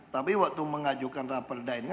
tapi waktu mengajukan raperda ini